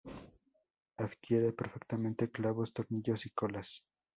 Adquiere perfectamente clavos, tornillos y colas.